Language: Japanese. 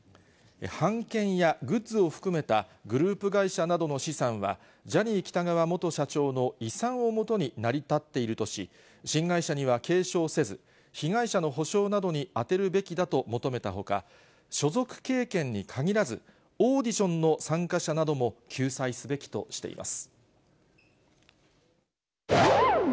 版権やグッズを含めたグループ会社などの資産は、ジャニー喜多川元社長の遺産をもとに成り立っているとし、新会社には継承せず、被害者の補償などに充てるべきだと求めたほか、所属経験に限らず、オーディションの参加者なども救済すべきとしています。